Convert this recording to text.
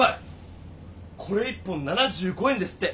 これ１本７５円ですって。